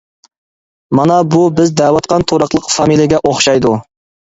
مانا بۇ بىز دەۋاتقان تۇراقلىق فامىلىگە ئوخشايدۇ.